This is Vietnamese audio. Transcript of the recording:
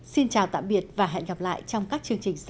xin chào tạm biệt và hẹn gặp lại trong các chương trình sau